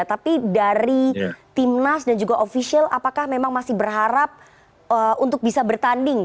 tapi dari timnas dan juga ofisial apakah memang masih berharap untuk bisa bertanding